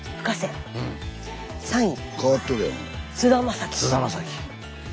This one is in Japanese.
菅田将暉。